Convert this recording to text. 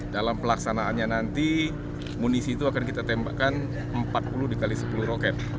dalam pelaksanaannya nanti munisi itu akan kita tembakkan empat puluh dikali sepuluh roket